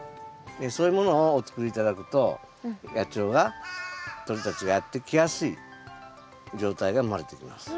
そういうものをお作り頂くと野鳥が鳥たちがやって来やすい状態が生まれてきます。